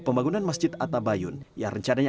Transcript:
pembangunan masjid atta bayun yang rencananya